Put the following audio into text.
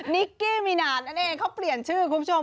นิกกี้มีนานนั่นเองเขาเปลี่ยนชื่อคุณผู้ชม